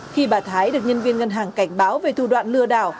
khi bà thái được nhân viên ngân hàng cảnh báo về thủ đoạn lừa đảo